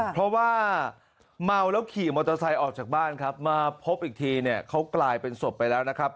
เพราะว่าเมาแล้วขี่มอเตอร์ไซค์ออกจากบ้านครับมาพบอีกทีเนี่ยเขากลายเป็นศพไปแล้วนะครับ